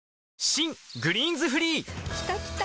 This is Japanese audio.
新「グリーンズフリー」きたきた！